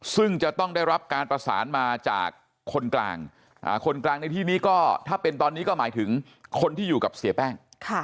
ซึ่งจะต้องได้รับการประสานมาจากคนกลางคนกลางในที่นี้ก็ถ้าเป็นตอนนี้ก็หมายถึงคนที่อยู่กับเสียแป้ง